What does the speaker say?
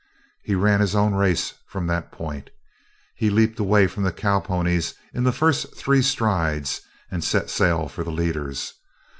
He ran his own race from that point. He leaped away from the cowponies in the first three strides and set sail for the leaders.